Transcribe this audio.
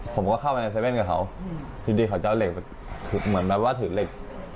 ผมก็เข้าไปในเว่นกับเขาอยู่ดีเขาจะเอาเหล็กไปเหมือนแบบว่าถือเหล็ก